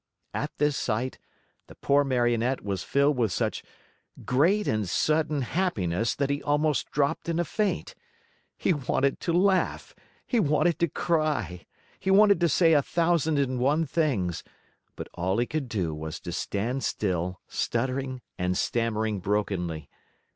At this sight, the poor Marionette was filled with such great and sudden happiness that he almost dropped in a faint. He wanted to laugh, he wanted to cry, he wanted to say a thousand and one things, but all he could do was to stand still, stuttering and stammering brokenly.